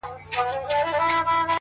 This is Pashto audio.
خورې ورې پرتې وي؛